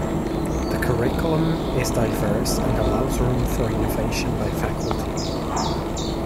The curriculum is diverse and allows room for innovation by faculty.